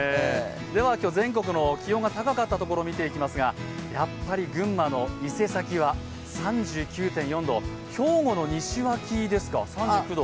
では今日、全国の気温が高かったところを見ていきますがやっぱり群馬の伊勢崎は３９．４度、兵庫の西脇、３９度。